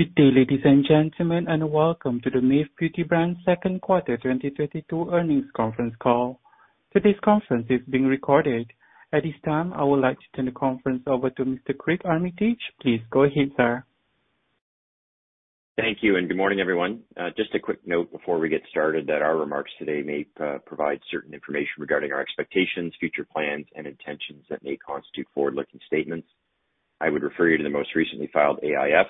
Good day, ladies and gentlemen, and welcome to the MAV Beauty Brands second quarter 2022 earnings conference call. Today's conference is being recorded. At this time, I would like to turn the conference over to Mr. Craig Armitage. Please go ahead, sir. Thank you and good morning, everyone. Just a quick note before we get started that our remarks today may provide certain information regarding our expectations, future plans, and intentions that may constitute forward-looking statements. I would refer you to the most recently filed AIF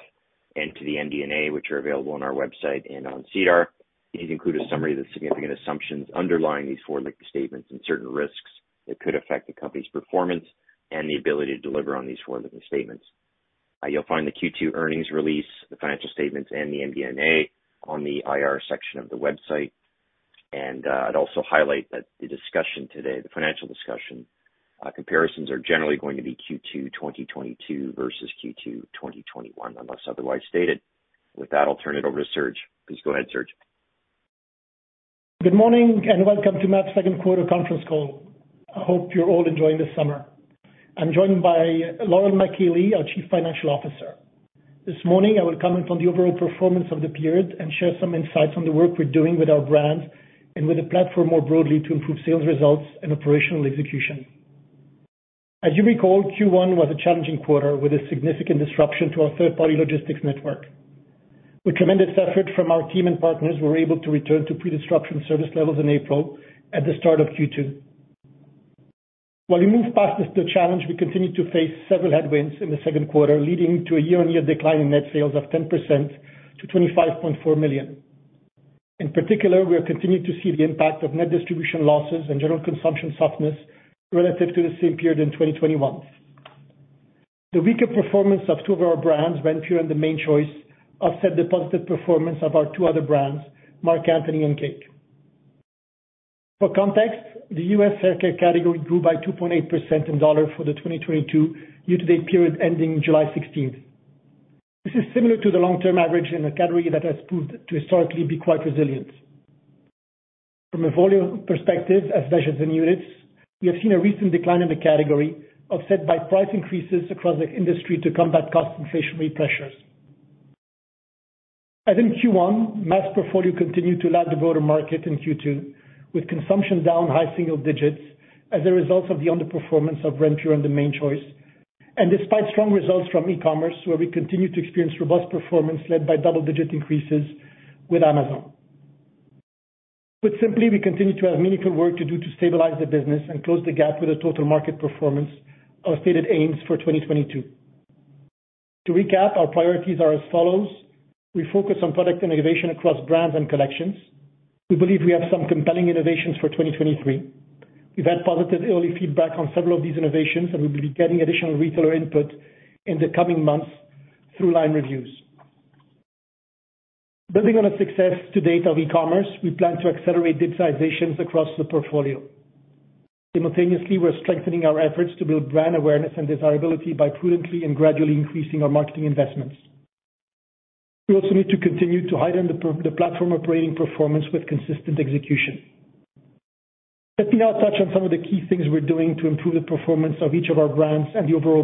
and to the MD&A, which are available on our website and on SEDAR. These include a summary of the significant assumptions underlying these forward-looking statements and certain risks that could affect the company's performance and the ability to deliver on these forward-looking statements. You'll find the Q2 earnings release, the financial statements, and the MD&A on the IR section of the website. I'd also highlight that the discussion today, the financial discussion, comparisons are generally going to be Q2 2022 versus Q2 2021, unless otherwise stated. With that, I'll turn it over to Serge. Please go ahead, Serge. Good morning and welcome to MAV second quarter conference call. I hope you're all enjoying this summer. I'm joined by Laurel MacKay-Lee, our Chief Financial Officer. This morning, I will comment on the overall performance of the period and share some insights on the work we're doing with our brands and with the platform more broadly to improve sales results and operational execution. As you recall, Q1 was a challenging quarter with a significant disruption to our third-party logistics network. With tremendous effort from our team and partners, we were able to return to pre-disruption service levels in April at the start of Q2. While we moved past this challenge, we continued to face several headwinds in the second quarter, leading to a year-on-year decline in net sales of 10% to 25.4 million. In particular, we are continuing to see the impact of net distribution losses and general consumption softness relative to the same period in 2021. The weaker performance of two of our brands, Renpure and The Mane Choice, offset the positive performance of our two other brands, Marc Anthony and Cake. For context, the U.S. hair care category grew by 2.8% in dollars for the 2022 year-to-date period ending July 16. This is similar to the long-term average in a category that has proved to historically be quite resilient. From a volume perspective, as measured in units, we have seen a recent decline in the category offset by price increases across the industry to combat cost inflationary pressures. As in Q1, mass portfolio continued to lag the broader market in Q2, with consumption down high single digits as a result of the underperformance of Renpure and The Mane Choice. Despite strong results from e-commerce, where we continue to experience robust performance led by double-digit increases with Amazon. Put simply, we continue to have meaningful work to do to stabilize the business and close the gap with the total market performance, our stated aims for 2022. To recap, our priorities are as follows. We focus on product innovation across brands and collections. We believe we have some compelling innovations for 2023. We've had positive early feedback on several of these innovations, and we'll be getting additional retailer input in the coming months through line reviews. Building on a success to date of e-commerce, we plan to accelerate digitization's across the portfolio. Simultaneously, we're strengthening our efforts to build brand awareness and desirability by prudently and gradually increasing our marketing investments. We also need to continue to heighten the platform operating performance with consistent execution. Let me now touch on some of the key things we're doing to improve the performance of each of our brands and the overall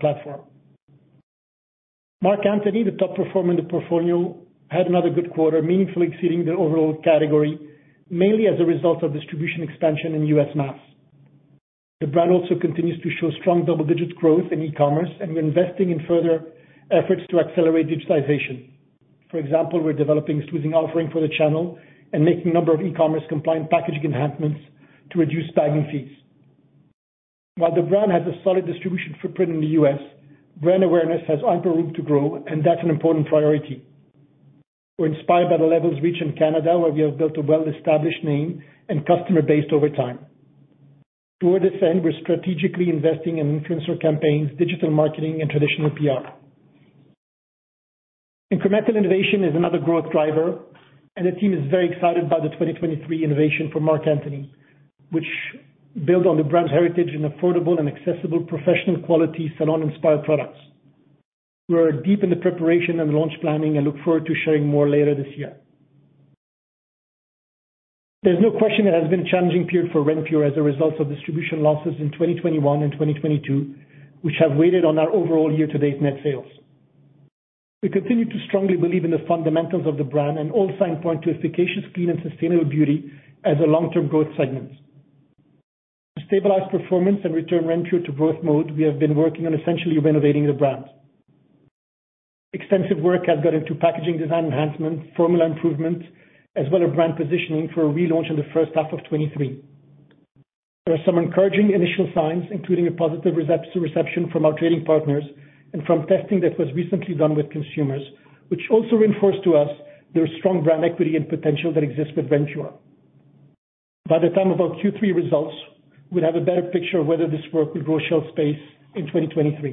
platform. Marc Anthony, the top performer in the portfolio, had another good quarter, meaningfully exceeding the overall category, mainly as a result of distribution expansion in U.S. mass. The brand also continues to show strong double-digit growth in e-commerce, and we're investing in further efforts to accelerate digitization. For example, we're developing smoothing offering for the channel and making a number of e-commerce compliant packaging enhancements to reduce bagging fees. While the brand has a solid distribution footprint in the U.S., brand awareness has ample room to grow, and that's an important priority. We're inspired by the levels reached in Canada, where we have built a well-established name and customer base over time. Toward this end, we're strategically investing in influencer campaigns, digital marketing, and traditional PR. Incremental innovation is another growth driver, and the team is very excited by the 2023 innovation for Marc Anthony, which builds on the brand's heritage in affordable and accessible professional quality salon-inspired products. We are deep in the preparation and launch planning and look forward to sharing more later this year. There's no question it has been a challenging period for Renpure as a result of distribution losses in 2021 and 2022, which have weighed on our overall year-to-date net sales. We continue to strongly believe in the fundamentals of the brand and all signs point to efficacious, clean, and sustainable beauty as a long-term growth segment. To stabilize performance and return Renpure to growth mode, we have been working on essentially renovating the brand. Extensive work has gone into packaging design enhancements, formula improvements, as well as brand positioning for a relaunch in the first half of 2023. There are some encouraging initial signs, including a positive reception from our trading partners and from testing that was recently done with consumers, which also reinforced to us there's strong brand equity and potential that exists with Renpure. By the time of our Q3 results, we'll have a better picture of whether this work will grow shelf space in 2023.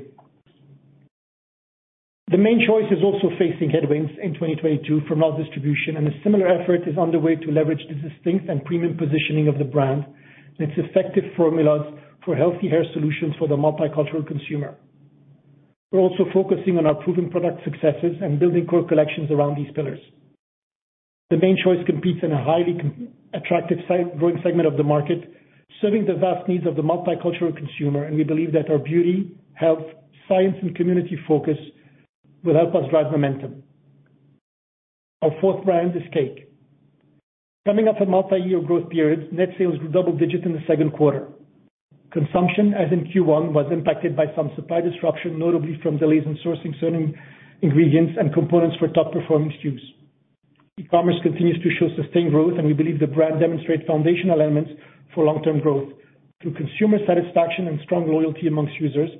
The Mane Choice is also facing headwinds in 2022 from our distribution, and a similar effort is underway to leverage the distinct and premium positioning of the brand and its effective formulas for healthy hair solutions for the multicultural consumer. We're also focusing on our proven product successes and building core collections around these pillars. The Mane Choice competes in a highly attractive growing segment of the market, serving the vast needs of the multicultural consumer, and we believe that our beauty, health, science, and community focus will help us drive momentum. Our fourth brand is Cake Beauty. Coming off a multi-year growth period, net sales were double-digit in the second quarter. Consumption, as in Q1, was impacted by some supply disruption, notably from delays in sourcing certain ingredients and components for top performing SKUs. E-commerce continues to show sustained growth, and we believe the brand demonstrates foundational elements for long-term growth through consumer satisfaction and strong loyalty among users,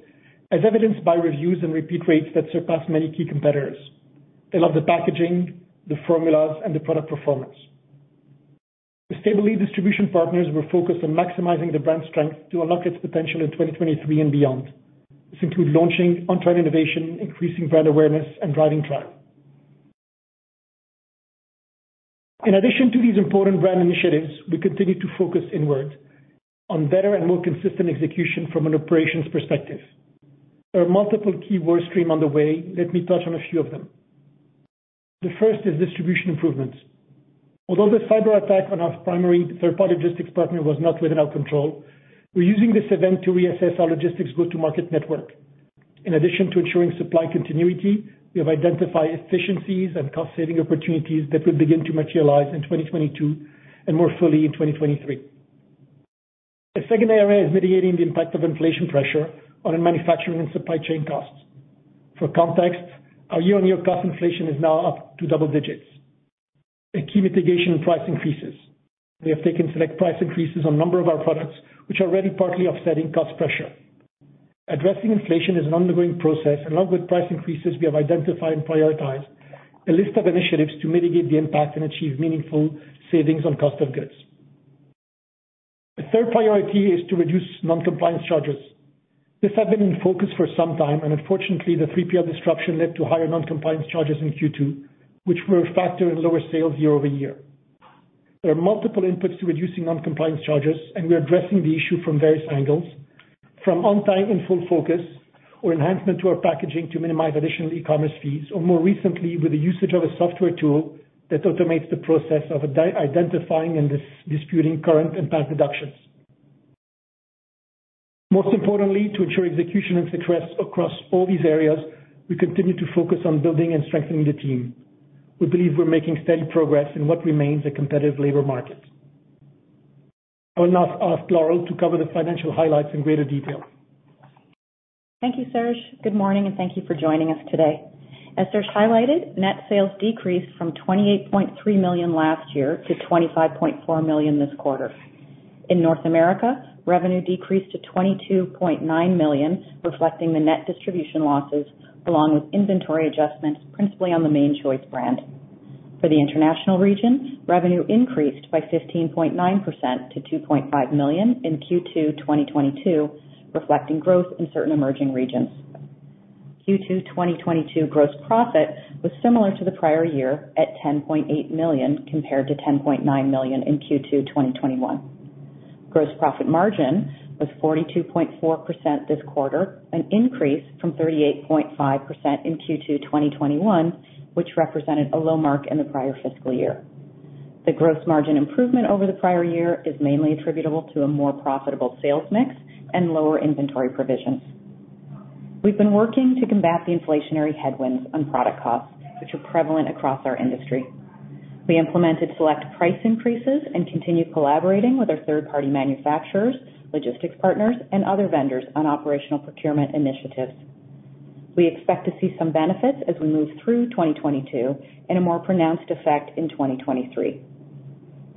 as evidenced by reviews and repeat rates that surpass many key competitors. They love the packaging, the formulas, and the product performance. The stable lead distribution partners were focused on maximizing the brand strength to unlock its potential in 2023 and beyond. This includes launching on-trend innovation, increasing brand awareness, and driving trial. In addition to these important brand initiatives, we continue to focus inward on better and more consistent execution from an operations perspective. There are multiple key workstreams on the way. Let me touch on a few of them. The first is distribution improvements. Although the cyberattack on our primary third-party logistics partner was not within our control, we're using this event to reassess our logistics go-to-market network. In addition to ensuring supply continuity, we have identified efficiencies and cost-saving opportunities that will begin to materialize in 2022 and more fully in 2023. The second area is mitigating the impact of inflation pressure on our manufacturing and supply chain costs. For context, our year-over-year cost inflation is now up to double digits. A key mitigation, price increases. We have taken select price increases on a number of our products, which are already partly offsetting cost pressure. Addressing inflation is an ongoing process, and along with price increases, we have identified and prioritized a list of initiatives to mitigate the impact and achieve meaningful savings on cost of goods. The third priority is to reduce non-compliance charges. This has been in focus for some time, and unfortunately, the 3PL disruption led to higher non-compliance charges in Q2, which were a factor in lower sales year-over-year. There are multiple inputs to reducing non-compliance charges, and we are addressing the issue from various angles, from on-time and in full, focus on enhancement to our packaging to minimize additional e-commerce fees, or more recently with the usage of a software tool that automates the process of identifying and disputing incorrect charges. Most importantly, to ensure execution and success across all these areas, we continue to focus on building and strengthening the team. We believe we're making steady progress in what remains a competitive labor market. I will now ask Laurel to cover the financial highlights in greater detail. Thank you, Serge. Good morning and thank you for joining us today. As Serge highlighted, net sales decreased from 28.3 million last year to 25.4 million this quarter. In North America, revenue decreased to 22.9 million, reflecting the net distribution losses along with inventory adjustments, principally on The Mane Choice brand. For the international region, revenue increased by 15.9% to 2.5 million in Q2 2022, reflecting growth in certain emerging regions. Q2 2022 gross profit was similar to the prior year at 10.8 million compared to 10.9 million in Q2 2021. Gross profit margin was 42.4% this quarter, an increase from 38.5% in Q2 2021, which represented a low mark in the prior fiscal year. The gross margin improvement over the prior year is mainly attributable to a more profitable sales mix and lower inventory provisions. We've been working to combat the inflationary headwinds on product costs, which are prevalent across our industry. We implemented select price increases and continue collaborating with our third-party manufacturers, logistics partners, and other vendors on operational procurement initiatives. We expect to see some benefits as we move through 2022 and a more pronounced effect in 2023.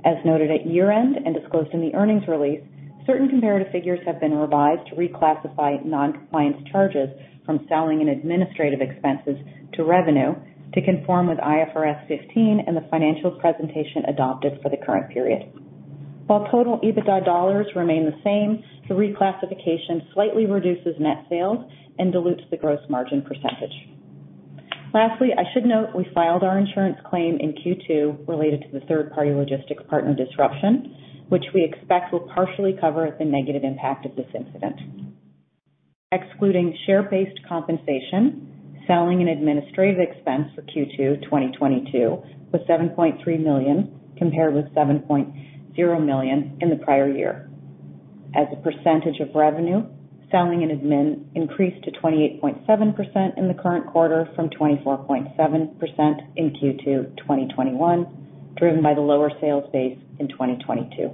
As noted at year-end and disclosed in the earnings release, certain comparative figures have been revised to reclassify non-compliance charges from selling and administrative expenses to revenue to conform with IFRS 15 and the financial presentation adopted for the current period. While total EBITDA dollars remain the same, the reclassification slightly reduces net sales and dilutes the gross margin percentage. Lastly, I should note we filed our insurance claim in Q2 related to the third-party logistics partner disruption, which we expect will partially cover the negative impact of this incident. Excluding share-based compensation, selling and administrative expense for Q2 2022 was 7.3 million, compared with 7.0 million in the prior year. As a percentage of revenue, selling and admin increased to 28.7% in the current quarter from 24.7% in Q2 2021, driven by the lower sales base in 2022.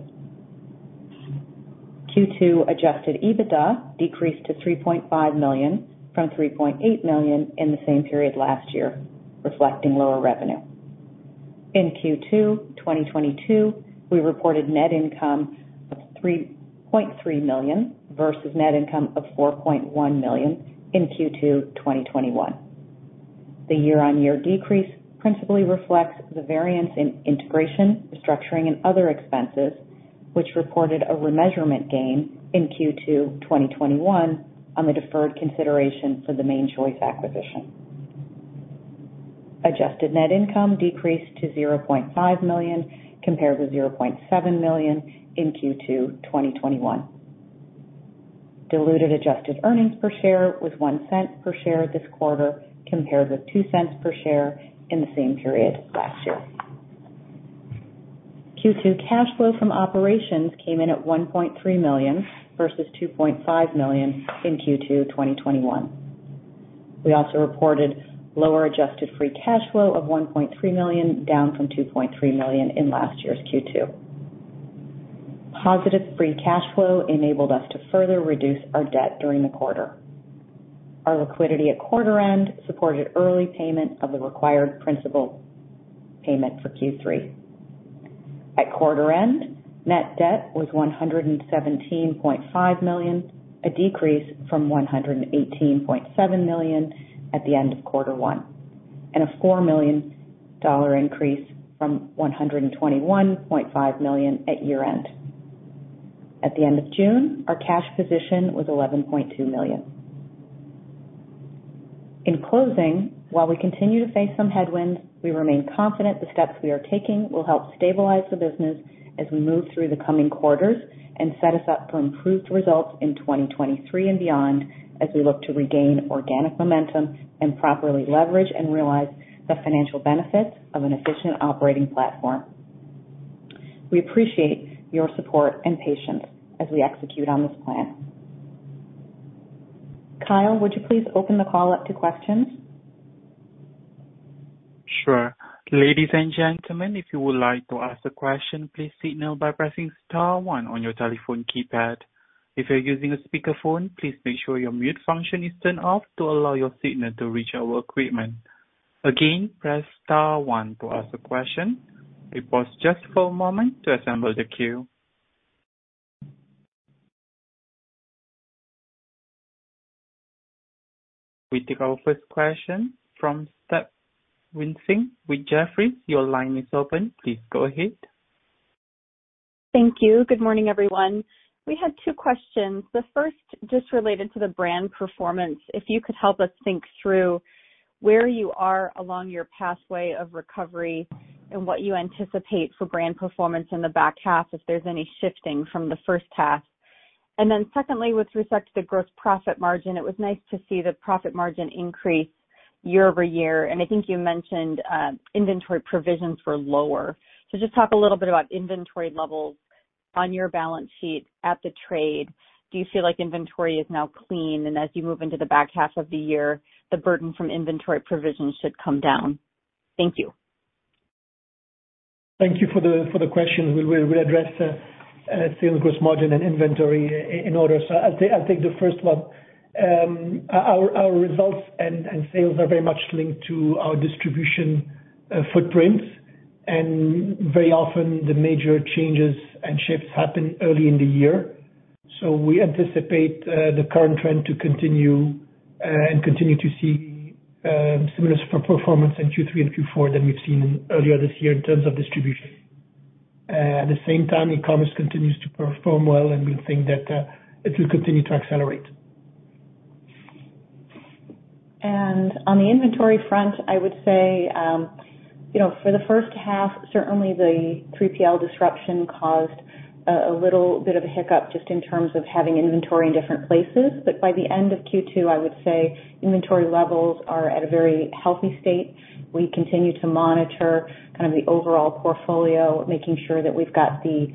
Q2 adjusted EBITDA decreased to 3.5 million from 3.8 million in the same period last year, reflecting lower revenue. In Q2 2022, we reported net income of 3.3 million versus net income of 4.1 million in Q2 2021. The year-on-year decrease principally reflects the variance in integration, restructuring, and other expenses, which reported a remeasurement gain in Q2 2021 on the deferred consideration for The Mane Choice acquisition. Adjusted net income decreased to 0.5 million compared to 0.7 million in Q2 2021. Diluted adjusted earnings per share was 0.01 per share this quarter, compared with 0.02 per share in the same period last year. Q2 cash flow from operations came in at 1.3 million versus 2.5 million in Q2 2021. We also reported lower adjusted free cash flow of 1.3 million, down from 2.3 million in last year's Q2. Positive free cash flow enabled us to further reduce our debt during the quarter. Our liquidity at quarter end supported early payment of the required principal payment for Q3. At quarter end, net debt was 117.5 million, a decrease from 118.7 million at the end of quarter one, and a 4 million dollar increase from 121.5 million at year-end. At the end of June, our cash position was 11.2 million. In closing, while we continue to face some headwinds, we remain confident the steps we are taking will help stabilize the business as we move through the coming quarters and set us up for improved results in 2023 and beyond as we look to regain organic momentum and properly leverage and realize the financial benefits of an efficient operating platform. We appreciate your support and patience as we execute on this plan. Kyle, would you please open the call up to questions? Sure. Ladies and gentlemen, if you would like to ask a question, please signal by pressing star one on your telephone keypad. If you're using a speakerphone, please make sure your mute function is turned off to allow your signal to reach our equipment. Again, press star one to ask a question. We pause just for a moment to assemble the queue. We take our first question from Stephanie Wissink with Jefferies. Your line is open. Please go ahead. Thank you. Good morning, everyone. We had two questions. The first just related to the brand performance. If you could help us, think through where you are along your pathway of recovery and what you anticipate for brand performance in the back half, if there's any shifting from the first half. Then secondly, with respect to the gross profit margin, it was nice to see the profit margin increase year-over-year. I think you mentioned, inventory provisions were lower. So just talk a little bit about inventory levels on your balance sheet at the trade. Do you feel like inventory is now clean, and as you move into the back half of the year, the burden from inventory provisions should come down? Thank you. Thank you for the question. We'll address sales gross margin and inventory in order. I'll take the first one. Our results and sales are very much linked to our distribution footprint. Very often the major changes and shifts happen early in the year. We anticipate the current trend to continue and continue to see similar performance in Q3 and Q4 that we've seen earlier this year in terms of distribution. At the same time, e-commerce continues to perform well, and we think that it will continue to accelerate. On the inventory front, I would say, you know, for the first half, certainly the 3PL disruption caused a little bit of a hiccup just in terms of having inventory in different places. By the end of Q2, I would say inventory levels are at a very healthy state. We continue to monitor kind of the overall portfolio, making sure that we've got the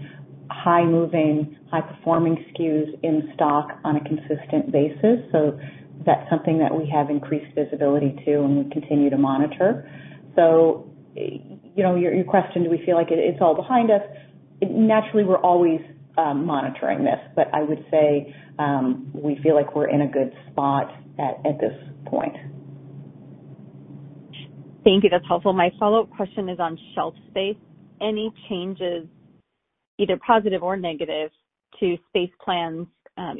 high moving, high performing SKUs in stock on a consistent basis. That's something that we have increased visibility to and we continue to monitor. You know, your question, do we feel like it's all behind us? Naturally, we're always monitoring this, but I would say, we feel like we're in a good spot at this point. Thank you. That's helpful. My follow-up question is on shelf space. Any changes, either positive or negative, to space plans,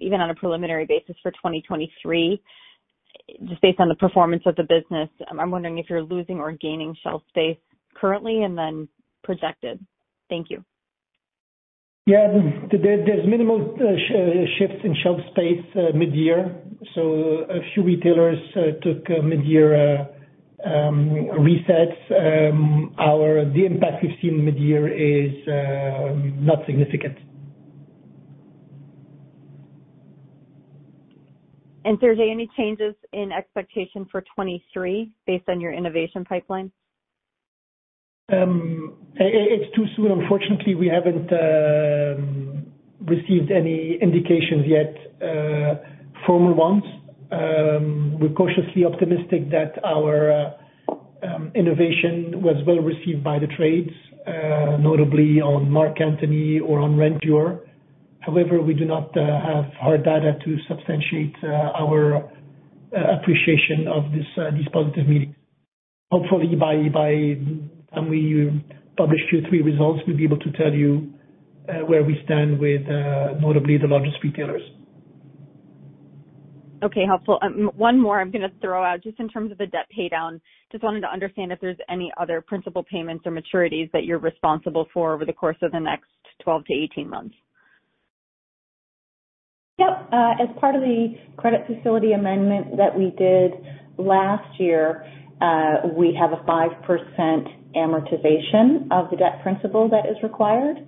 even on a preliminary basis for 2023, just based on the performance of the business, I'm wondering if you're losing or gaining shelf space currently and then projected? Thank you. Yeah. This minimal shifts in shelf space mid-year. A few retailers took a mid-year resets. The impact we've seen mid-year is not significant. Serge, any changes in expectation for 2023 based on your innovation pipeline? It's too soon. Unfortunately, we haven't received any indications yet, formal ones. We're cautiously optimistic that our innovation was well received by the trades, notably on Marc Anthony or on Renpure. However, we do not have hard data to substantiate our appreciation of this positive meeting. Hopefully by the time we publish Q3 results, we'll be able to tell you where we stand with notably the largest retailers. Okay. Helpful. One more I'm gonna throw out, just in terms of the debt pay down, just wanted to understand if there's any other principal payments or maturities that you're responsible for over the course of the next 12 to 18 months. Yep. As part of the credit facility amendment that we did last year, we have a 5% amortization of the debt principal that is required.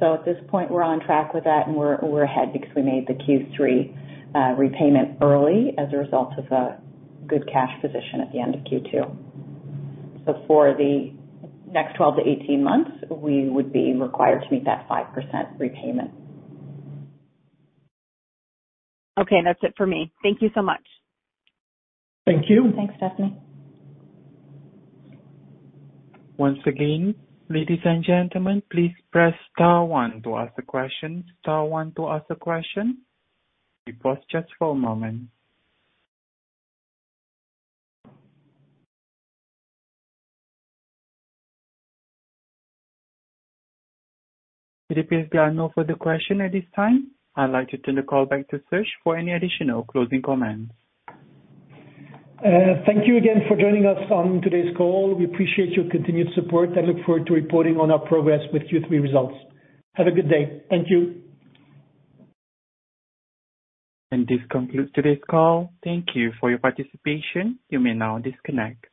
At this point, we're on track with that, and we're ahead because we made the Q3 repayment early as a result of a good cash position at the end of Q2. For the next 12-18 months, we would be required to meet that 5% repayment. Okay. That's it for me. Thank you so much. Thank you. Thanks, Stephanie. Once again, ladies and gentlemen, please press star one to ask a question. Star one to ask a question. We pause just for a moment. It appears there are no further questions at this time. I'd like to turn the call back to Serge for any additional closing comments. Thank you again for joining us on today's call. We appreciate your continued support. I look forward to reporting on our progress with Q3 results. Have a good day. Thank you. This concludes today's call. Thank you for your participation. You may now disconnect.